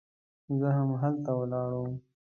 زه همدلته ولاړ وم.